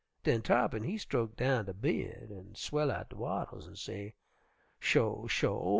"Den Tarr'pin he'd stroke down de by'ud an' swell out de wattles an' say, 'Sho! sho!